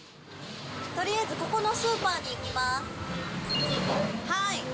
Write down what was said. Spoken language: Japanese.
とりあえず、ここのスーパーに行きます。